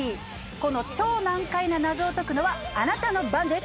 この超難解な謎を解くのはあなたの番です！